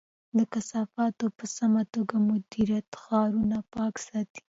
د کثافاتو په سمه توګه مدیریت ښارونه پاک ساتي.